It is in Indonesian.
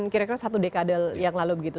kira kira satu dekade yang lalu begitu